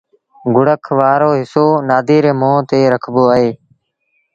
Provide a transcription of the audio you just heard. گُوڙک وآرو هسو نآديٚ ري مݩهݩ تي رکبو اهي۔